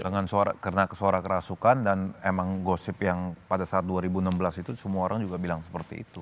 dengan suara kerasukan dan emang gosip yang pada saat dua ribu enam belas itu semua orang juga bilang seperti itu